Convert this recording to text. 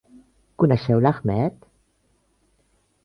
Coneixeu l'Ahmed?